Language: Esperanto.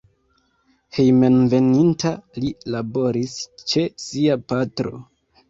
Hejmenveninta li laboris ĉe sia patro.